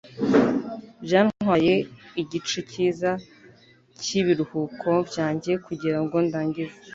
Byatwaye igice cyiza cyibiruhuko byanjye kugirango ndangize.